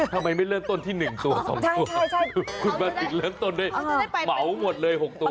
ทำไมไม่เริ่มต้นที่๑ตัว๒ตัวคุณมาติดเริ่มต้นด้วยเหมาหมดเลย๖ตัว